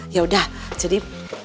ya udah jadi